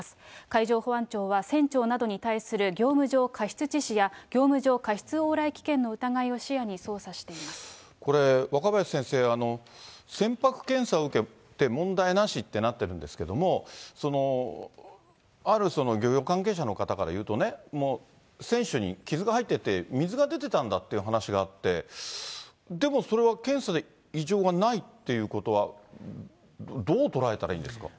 海上保安庁は、船長などに対する業務上過失致死や業務上過失往来危険の疑いを視これ、若林先生、船舶検査を受けて問題なしってなってるんですけれども、ある漁業関係者の方から言うとね、もう船首に傷が入ってて、水が出てたんだっていう話があって、でもそれは検査で異常がないっていうことは、どう捉えたらいいんですか？